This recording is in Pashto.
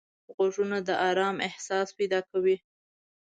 غوږونه د آرام احساس پیدا کوي